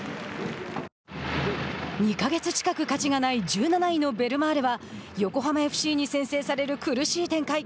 ２か月近く勝ちがない１７位のベルマーレは横浜ＦＣに先制される苦しい展開。